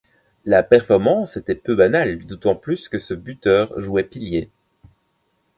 La performance était peu banale d'autant plus que ce buteur jouait pilier.